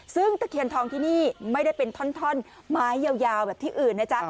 ซึ่งตะเคียนทองที่นี่ไม่ได้เป็นท่อนไม้ยาวแบบที่อื่นนะจ๊ะ